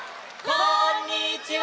こんにちは！